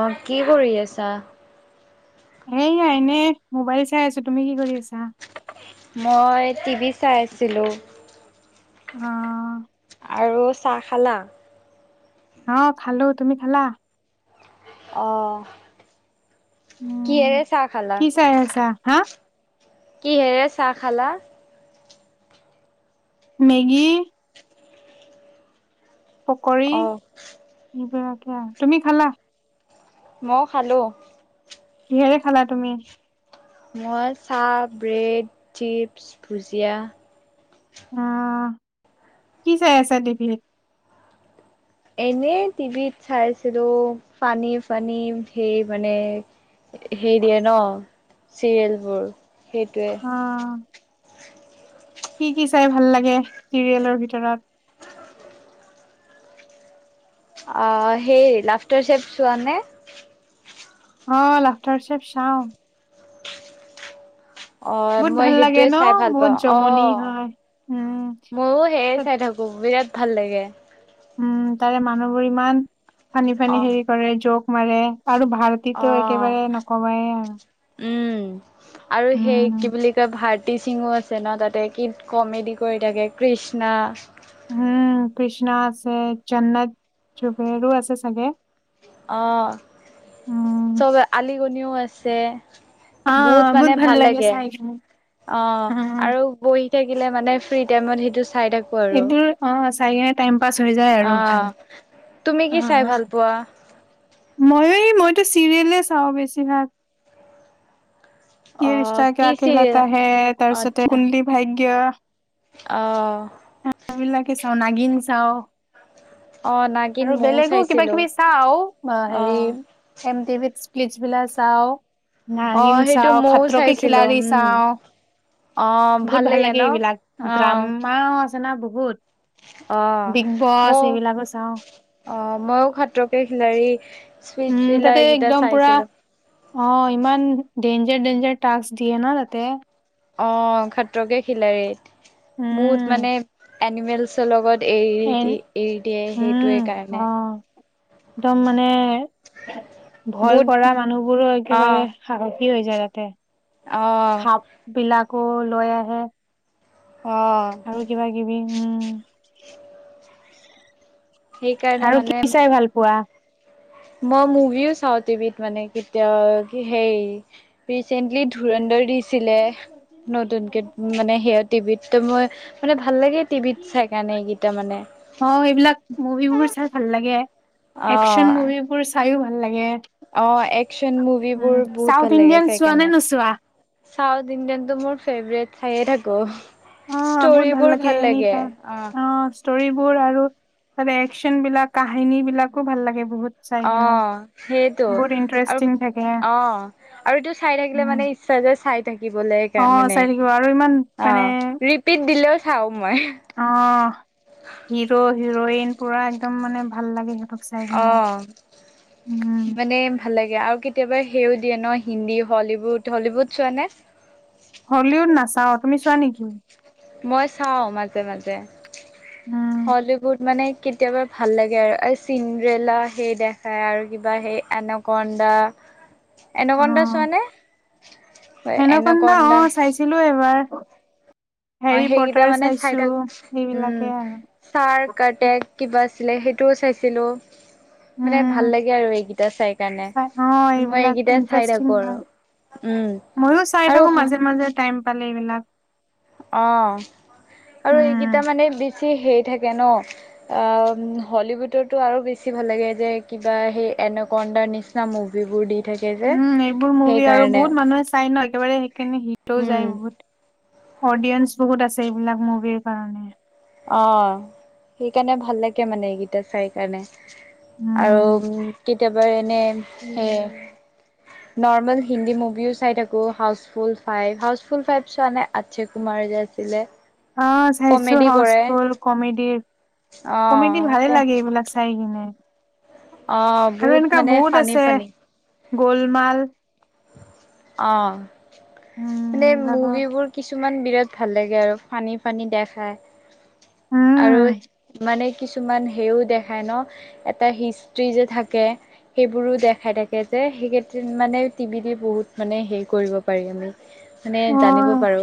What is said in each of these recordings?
অঁ, কি কৰি আছে? এয়া এনেই মোবাইল চাই আছো। তুমি কি কৰি আছা? মই টিভি চাই আছিলোঁ। অঁ আৰু চাহ খালা? অঁ খালো। তুমি খালা? অঁহ্‌। উম, কি চাই আছা? হাঁ কিহেৰে চাহ খালা? মেগী। পকৰী, অ এইবিলাকে আও। তুমি খালা? মও খালোঁ। কিহেৰে খালা তুমি? মই চাহ, ব্ৰেড, চিপছ্, ভুজিয়া আঁ-কি চাই আছা টিভিত? এনেই টিভিত চাইছিলোঁ ফানী ফানী ঢেই মানে ধেৰ দিয়ে ন'? চিৰিয়েলবোৰ, সেইটোৱে অ কি কি চাই ভাল লাগে চিৰিয়েলৰ ভিতৰত? আঁহ হেই লাফ্টাৰ চেফ চোৱা নে? অঁ--লাফ্টাৰচেফ চাওঁ। অঁ বহুত মই ভাল লাগে সেইটোৱে ন চাই ভাল বহুত পাওঁ। জমনি অঁ হয় উম ময়ো হেইয়ে তাত- চাই থাকো, বিৰাট ভাল লাগে। উম, তাৰে মানুহবোৰ ইমান ফানী অ ফানী হেৰি কৰে, জ'ক মাৰে। আৰু অ ভাৰতীক্‌টো একেবাৰে নকবাই আও। উম, আৰু সেই কি বুলি কয় ভাৰ তী সিঙো আছে না তাতে, কি কমেডি কৰি থাকে। কৃষ্ণা উম, কৃষ্ণা আছে, জন্নত জুবেৰো আছে চাগে? অঁ, উম, চবেআলী গনিও আছে। বহুত মানে ভাল লাগে। অঁ আহ, আৰু বহি থাকিলে মানে ফ্ৰী টাইমত সিটো চাই থাকো আৰু। চাইকেনে টাইম পাছ হৈ যায় অ আৰু ভাল। তুমি কি চাই ভাল পোৱা? মইও য়ে, মইটো চিৰিয়েলে চাওঁ বেছিভাগ। অ ইয়েৰিষ্টা কি ক্যা চিৰিয়েল কেহ্‌লাতা হে, তাৰছতে আচ্ছা কুণ্ডলি ভাগ্য। অ ক্যা চবিলাকে চাওঁ, নাগিন চাওঁ। অ নাগিন আৰু ময়ো বেলেগো চাইছিলো কিবা-কিবি চাওঁ আৰু হেৰি, অ এমটিভিত প্লিচবলা চাও, অ নাগিন সেইটো চাও, ময়ও খত্ৰকে চাইছিলো খিলাৰি উম চাওঁ বহুত ভাল লাগে এইবিলাক, অ ড্ৰামাও আছে না বহুত। অ বিগ বছ ময়ো এইবিলাকো চাওঁ। অ মইয়ো খাত্ৰকে খিলাৰি উম স্প্লিটভিলা তাতে এই কেইটা একদম পুৰা চাইছিলো। অ ইমান ডেঞ্জাৰ ডেঞ্জাৰ টাস্ক দিয়ে ন তাতে। অ খাত্ৰকে খিলাৰিত, বহুত উম মানে এনিমেলচৰ লগত। এৰি এ দি এৰি দিয়ে উম সেইটোৱে কাৰণে। অ একদম মানে ভয় বহুত কৰা মানুহবোৰো অ একেবাৰে সাহস। সি হৈ যায় তাতে অ সাপ বিলাকো লৈ আহে। অ আৰু কিবা কিবি উম। সেইকাৰণে আৰু কি মানে। চাই ভাল পোৱা মই মুভিও চাওঁ টিভিত মানে কেতিয়া সেই ৰিচেন্টলি ধুৰ দৰ দিছিলে নতুনকে মানে সেয়া টিভিত, মই ত মানে ভ। ভাল লাগে টিভিত চাই কাৰণে এইকেইটা মানে। অ এইবিলাক মুভিবোৰ চাই ভাল লাগে, অ একচন মুভিবোৰ চাইয়ো ভাল। লাগে অ একচন উম, মুভিবোৰ বহুত চাউথ ভাল লাগে ইণ্ডিয়ান চোৱা নে চাইকেণে। নোচোৱা? চাউথ ইণ্ডিয়ানটো মোৰ ফেভৰেট চাইয়ে থাকো। অ', বহুত ষ্টৰিবোৰ ভাল এনি লাগে, টাইম, অ। ষ্টৰিবোৰ আৰু ত একচন বিলাক কাহিনী বিলাকো ভাল লাগে বহুত। চাই অ কিনে। সেইটো বহুত ইণ্টাৰেষ্টিং আৰু থাকে, অ আৰু এইটো চাই থাকিলে উম, মানে ইচ চাই থাকিবলে একে অ', মানে চাই থাকিব আৰু ইমান অ মানে ৰিপিট দিলেও চাও মই। অ হিৰো হিৰইন পুৰা একদম মানে ভাল লাগে সি। তোক চাই অ কিনে। উম, মানে। ভাল লাগে আৰু কেতিয়াবা সেও দিয়ে ন হিন্দী হলীউুড হলীউুড চোৱা নে। হলিউড নাচাওঁ। তুমি চোৱা নেকি? মই চাও মাজে মাজে উম, হলিউড মানে। কেতিয়াবা ভাল লাগে আৰু এই চিন্দেৰেলা সেই দেখায় আৰু কিবা সেই এনাকন্দা। এনাকন্দা চোৱা নে? হয় হেনাকন্দা অ এনকন্দা চাইছিলো এবাৰ। অ হেৰি সেইকেইটা পটাৰ মানে চাই চাইছো, থাক, উম সেইবিলাকে আৰু। ছাৰ কটেক কিবা। ছিলে সেইটোও চাইছিলোঁ। মানে উম, ভাল লাগে আৰু এইকেইটা চাই কাৰণে অ মই এইবিলাক এইকেইটা চাই ইন্টাৰেষ্টিং থাকো হয় আৰু। উম আৰু। পালিৰ বিনাক। অ আৰু এইকেইটা উম মানে বি- বেছি হেই থাকে ন অ হলিউডতো আৰু বেছি ভাল লাগে যে কিবা সে এনাকন্দা নিচিনা মুভিবোৰ দি। থাকে যে উম এইবোৰ মুভি আৰু সেইকাৰণে বহুত মানুহে চাই ন একেবাৰে সেইকাৰণে হিটও উম যায় বহুত। অডিয়েন্স বহুত আছে এইবিলাক মুভিৰ কাৰণে। অ সেইকাৰণে ভাল লাগে মানে এইকেইটা চাই কাৰণে। উম আৰু কেতিয়াবা এনে সে। উম নৰ্মেল হিন্দী মুভিও চাই থাকো house full five house full five চোৱা নাই আক্ষয় কুমাৰ- যে আছিলে। অ চাইছো কমেডি হ- কৰে হছফুল কমেডিৰ, অ কমেডি ভালে লাগে এইবিলাক চাই কিনে। অ আৰু বহুত এনেকুৱা মানে বহুত ফানী আছে ফানী গলমাল। অ উম মানে এইবিলাকৰ মুভিবোৰ কিছু। ইমান বিৰাট ভাল লাগে আৰু ফানি ফানি দেখাই আৰু উম মানে। কিছুমান সেও দেখাই ন এটা হিষ্ট্ৰি যে থাকে সেইবোৰো দেখাই থাকে যে। সেইকেইদিন মানে টিভি দি বহুত মানে হেৰি কৰিব পাৰি আমি। মানে অ জানিব পাৰো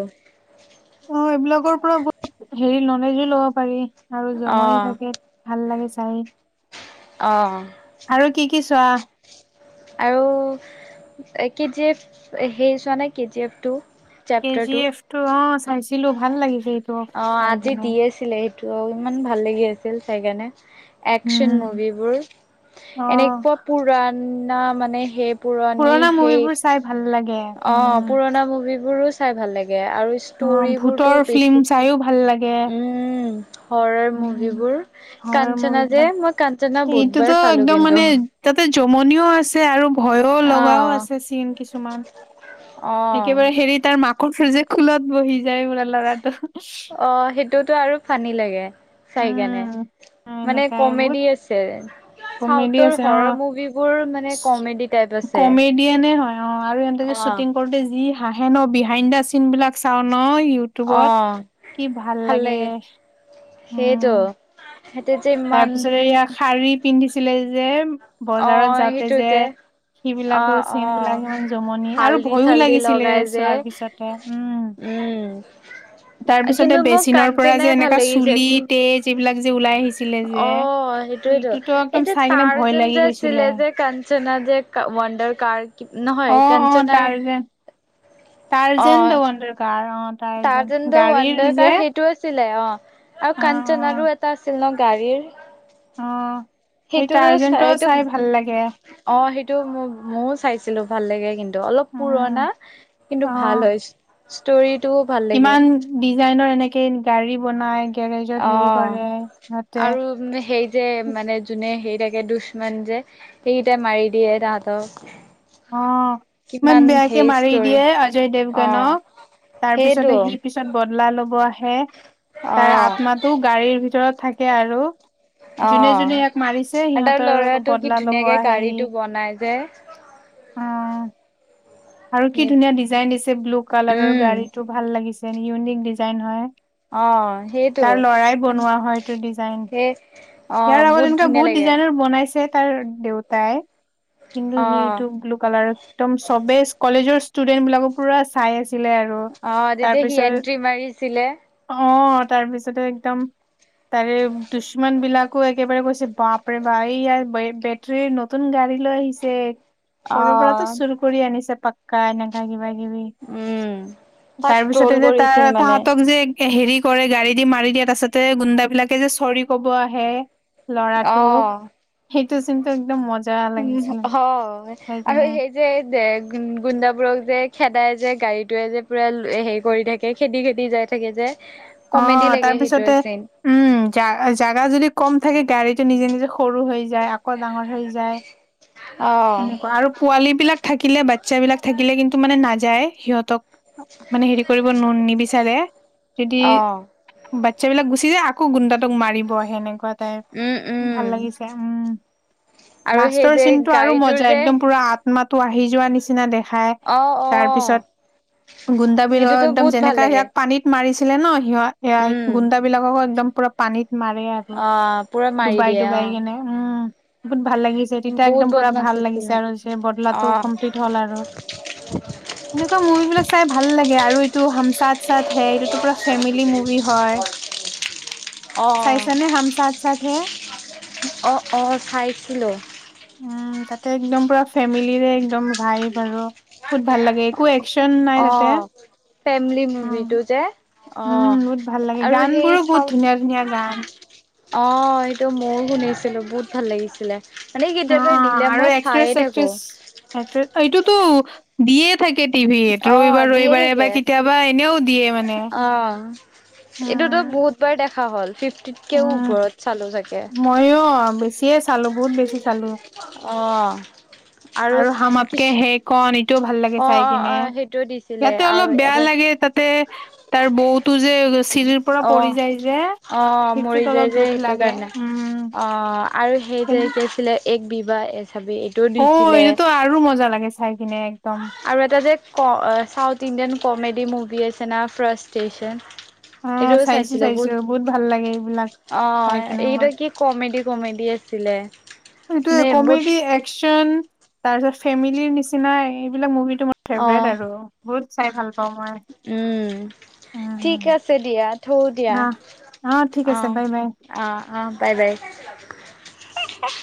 অ এইবিলাকৰ পৰা বহুত হেৰি ন এনাৰ্জি ল'ব পাৰি আৰু অ জমনি থাকে ভাল লাগে চাই। অ আৰু কি কি চোৱা? আৰু এ কে জি এফ সেৰি চোৱা নাই কে জি এফ টো। কে জি এফ টো অ চাইছিলো ভাল লাগিছে এইটো চাই কিনে্। ত ইমান ভাল লাগি আছিল চাই কাৰণে। একচন উম মুভিবোৰ এনেকুৱা অ পুৰণা মানে সেপ। পুৰণি পুৰণা সেই মুভিবোৰ চাই ভাল লাগে অ উম পুৰণা মুভিবোৰো চা- অ ভূতৰ বেছি ফিল্ম চাইয়ো ভাল লাগে। উম, হৰৰ উম মুভিবোৰ হৰৰ মুভি কাঞ্চনা যে বিলাক, মই কাঞ্চনা বহুতবাৰ এইটোতো চালো একদম কিন্তু মানে তাতে জমনিও আছে আৰু। ভয় লগাও অ'। আছে চিন কিছুমান অ', একেবাৰে হেৰি তাৰ মাক। যে খুলত বহি যায় বৰা ল'ৰাটো। অ সেইটোত আৰু ফানি লাগে। চাই কেনে, উম মানে এনেকাই বহুত কমেডি আছে। কমেডি চাউথৰ আছে অ হৰৰ মুভিবোৰ মানে কমেডি টাইপ আছে। কমেডিয়ান হয় অ আৰু এহেতে অ', শ্বুটিং কৰোতে যি হাঁহে ন বিহাইণ্ড দা চিন বিলাক চাও ন। ইউটিউবত অ' কি ভাল লাগে সেইটো। উম। সেইটো যে ইমান তাৰপিছত এয়া শাৰী পিন্ধিছিলে যে অ বজাৰত যাওঁতে সেইটো যে। সেই অ বিলাকো অ চিন বিলাক ইমান জমনি আৰু হালধি ভয়ো চালদি লাগিছিলে লগাই যে চোৱাৰ পিছতহে উম। উম। তাৰ পিছতে কিন্তু মোক বেচিনৰ পৰা কাঞ্চনাই যে ভাল এনেকা লাগিছে চুলি তেজ এইবিলাক যে ওলাই আহিছিলে। যে অ সেইটোয়েইেতো এইটোতো একদম এই যে চাই কিনে ভয় তাৰজেন লাগি যে আছিলে গৈছিলে যে কাঞ্চনা যে ৱাণ্ডাৰ কাৰ কি, নহয় কাঞ্চনাৰ। উ [unintelligible] টাৰজেন দা ৱাণ্ডাৰ কাৰ। তাৰ টাৰ্জেন তে গাড়ীৰ ৱণ্ডাৰ কাৰ যে সেইটো আছে। ছিলে অ আৰু অ কাঞ্চনাৰো অ এটা আছিল ন গাড়ীৰ। অ সেই সেইটোতো চাই টাৰ্জেনটো এইটো ভাল লাগে অ সেইটো। টো ম ময়ো চাইছিলো ভাল লাগে কিন্তু। অলপ পুৰণা উম কিন্তু অ ভাল হয়। ষ্টোৰি কিমান ডিজাইনৰ এনেকে গাড়ী বনাই। গেৰেজত অ হেৰি কৰে সিহঁতে আৰু সেই যে মানে যোনে সেই। এ দুশমান যে সেইকেইট মাৰি দিয়ে তাহাঁতক। অ ইমান কিমান বেয়াকে সেই মাৰি ষ্টৰি দিয়ে অজয় অ দেৱগানক। তাৰ সেইটো পিছতে সি পিছত বদলা লব আহে। অ তাৰ আত্মাটো গাড়ীৰ ভিতৰত থাকে আৰু অ যোনে যোনে ইয়াক মাৰিছে আৰু তাৰ সিহঁতৰ ল'ৰাটো কি বদলা ল'ব ধুনীয়াকে আহেহি। গাড়ীটো বনাই যে আৰু কি ধুনীয়া ডিজাইন দিছে ব্লু কালাৰৰ উম গাড়ীতটো ভাল লাগিছে ইউনিক ডিজাইন হয়। অ সেইটো তাৰ লৰাই মানে বনোৱা হয়টো ডিজাইন। সেই অ ইয়াৰ আগত এনেকুৱা ধুনীয়া বহুত লাগে ডিজাইনৰ বনাইছে তাৰ দেউতাই। কিন্তু অ সিটো ব্লু কালাৰ একদম চবে কলেজৰ ষ্টুডেন্ট বিলাকো পুৰা চাই আছে। অ তেতিয়া সি এন্ট্ৰি মাৰিছিলে। অ তাৰপিছতে একদম তাৰে দুশমান বিলাক। কৌ একেবাৰে কৈছে বাপ ৰে বা এই ইয়াৰ ব বেটৰীৰ নতুন গাড়ী লৈ আহিছে। অ কৰ'ৰ পৰাতো চুৰ কৰি আনিছে পাক্কা এনেককা কিবা কিবি। উম। তাক তাৰপিছতে ট্ৰল যে তাৰ কৰিছিল মানে। তাহতক যে। হেৰি কৰে গাড়ী দি মাৰি দিয়ে, তাৰছতে গুডাবলাকে যে চৰি কব আহে। লৰাটোক। সেইটো চিনটো একদম মজা উ লাগিছিলে হয় চাই আৰু কিনে সেই যে গুডাব। বোৰক যে খেদাই যে গাড়ীটোৱে যে পুৰা হেৰি কৰি থাকে খেদি খেদি যাই থাকে যে। অ কমেডি লাগে সেইটো তাৰপিছতে চিন। উম জা জাগা যদি কম থাকে গাড়ীত টো নিজে নিজে সৰু হৈ যায় আকৌ ডাঙৰ হৈ যায়। অ। সেনেকুৱা আৰু পোৱালী বিলাক থাকিলে বাচ্ছা বিলাক থাকিলে কিন্তু মানে নাযায় সিহঁতক মানে হেৰি কৰিব নু নিবিচাৰে যদি অ বাত চা বিলাক গুচি যায়, আকৌ গুণ্ডাটোক মাৰিব সেনেকুৱাত উম উম ভাল লাগিছে, উম আৰু সেই লাষ্টৰ যে চিন আৰু গাড়ীটোৰ মজা যে একদম পুৰা আত্মাটো আহি যোৱা নিচিনা দেখাই অ অ তাৰপিছত গুন্দাবিল অ সেইটোতো একদম বহুত ভাল যেনেকা লাগে ইয়াক পানীত মাৰিছিলে ন সিহত উম। গুন্ডা বিলাককো একদম পুৰা পানীত। মাৰে আৰু অ পুৰা মাৰি ডুবাই দিয়ে অ। ডুবাই কিনে উম বহুত ভাল লাগিছে তেতিয়া বহুত একদম, পুৰা বদমাছ ভাল লাগিছে আছিলে। আৰু যে বদলাটো অ', কমপ্লিট হ'ল আৰু সেনেকুৱা মুভি বিলাক চাই ভাল লাগে আৰু এইটো হামচ চাত চাত হে এইটোতো পুৰা ফেমিলি মুভি হয়। অ', চাইচনে হম চাথ চাথ হে। অ অ চাইছিলো। উম তাতে একদম পুৰা ফেমিলিৰে একদম ভাইব আৰু বহুত ভাল লাগে একো একচন নাই তাতে ফেমলি উম, মুভিটো যে অ উম, বহুত ভাল লাগে আৰু গান বোৰো সেই বহুত চাও ধুনীয়া ধুনীয়া গান অ এইটো মও শুনিছিলো বহুত ভাল লাগিছিলে মানে অ কেতিয়াবা দিলে মই আৰু চায়ে একক্ট্ৰেছ থাকো একট্ৰেছ একট্ৰে এইটোতো দিয়ে থাক কে টিভিত অ', ৰবিবাৰ দিয়ে ৰবিবাৰে থাকে। এইবাৰ কেতিয়াবা এনেও দিয়ে মানে অ', এইটোতো বহুত উম, বাৰ দেখা হ'ল ফিফটিত কেও উম, ওপৰত চালো চাগে ময়ো অ বেছিয়ে চালো বহুত বেছি চালো অ', আৰু সামা কিছ আপকে সে কন তেও ভাল লাগে অ', চাই অ', কিনে। অ', সেইটোও দিছিলে ইয়াতে আৰু অলপ বেয়া এটা লাগে তাতে তাৰ বৌতো যে চিৰিৰ পৰা অ', পৰি যায় যে অ মৰি সেইটোত অলপ যায় যে দুখ সেইটো লাগে কাৰণে উম, অ আৰু সেই যে কিন- কি আছিলে এক বিবাহ এক অ এইটোতো আৰু মজা লাগে চাই কিনে একদম আৰু এটা যে ক চাউথ ইণ্ডিয়ান কমেডি মুভি আছে না ফ্ৰাষ্টেশচন অ চাইছো চাইছো বহুত ভাল লাগে এইবিলাক অ চাই কিনে মোৰ এইটো কি কমেডি কমেডি আছিলে এইটোয়ে মানে বহুত কমেডি একচন তাৰ পিছত ফেমিলিৰ নিচিনা এইবিলাক মুভি তোমাৰ অ', ফেভেৰেট আৰু বহুত চাই ভাল পাওঁ মই উম উম ঠিক উম আছে দিয়া থৌ দিয়া অ', অ', ঠিক আছে আহ বাই বাই। আহ আহ বাই বাই হে হেহ